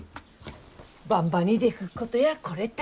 ばんばにでくっことやこれたい。